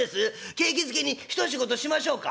景気づけに一仕事しましょうか」。